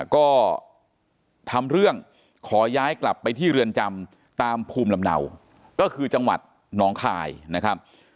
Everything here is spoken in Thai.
ก็ทำเรื่องขอย้ายกลับไปที่เรือนจำตามภูมิลำเนาก็คือจังหวัดน้องคายนะครับ